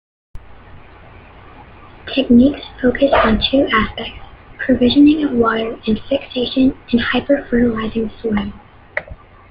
Techniques focus on two aspects: provisioning of water, and fixation and hyper-fertilizing soil.